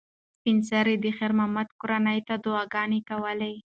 سپین سرې د خیر محمد کورنۍ ته دعاګانې کولې.